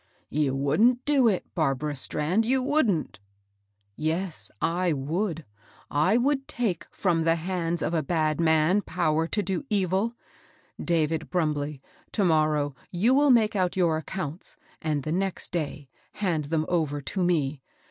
" You wouldn't do it, Barbara Strand I you wouldn't" —Yes, I would. I would take from the hands rf \ BARBARA STRAND. 405 & ^d man power to do evil. David Brumbley, to morrow you will make out your accounts, and th6 next day hand them over to me.